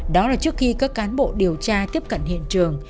đó là trước khi các cán bộ điều tra tiếp cận hiện trường